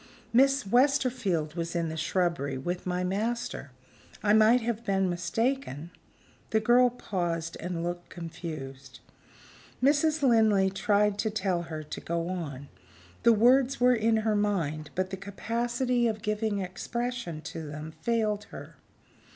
"Miss Westerfield was in the shrubbery, with my master. I might have been mistaken " The girl paused, and looked confused. Mrs. Linley tried to tell her to go on. The words were in her mind; but the capacity of giving expression to them failed her.